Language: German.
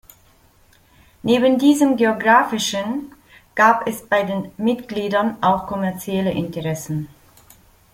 Neben diesem geographischen gab es bei den Mitgliedern auch kommerzielle Interessen.